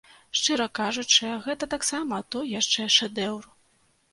Шчыра кажучы, гэта таксама той яшчэ шэдэўр.